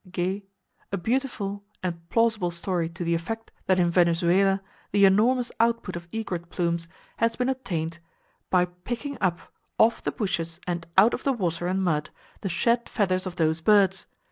Geay—a beautiful and plausible story to the effect that in Venezuela the enormous output of egret plumes has been obtained by picking up, off the bushes and out of the water and mud, the shed feathers of those birds!